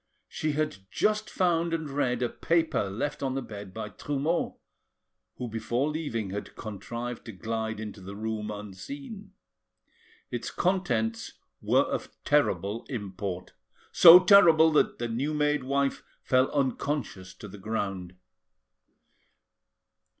She had just found and read a paper left on the bed by Trumeau, who before leaving had contrived to glide into the room unseen. Its contents were of terrible import, so terrible that the new made wife fell unconscious to the ground.